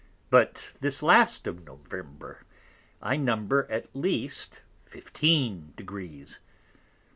But this last of November, I number at least 15 degrees.